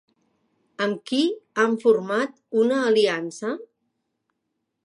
Amb qui han format una aliança?